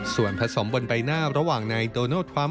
ส่วนผสมบนใบหน้าระหว่างนายโดนัลดทรัมป